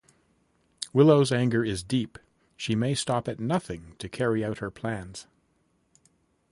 Willow's anger is deep; she may stop at nothing to carry out her plans.